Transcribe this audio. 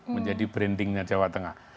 menjadi brandingnya jawa tengah